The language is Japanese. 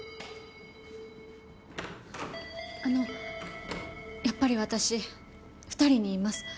あのやっぱり私２人に言います。